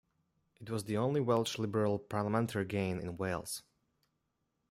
It was the only Welsh Liberal parliamentary gain in Wales.